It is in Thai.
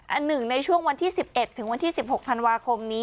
อันหนึ่งในช่วงวันที่๑๑๑๖วาคมนี้